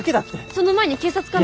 その前に警察かな？